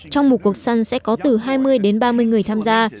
trong một cuộc săn sẽ có từ hai mươi đến ba mươi người tham gia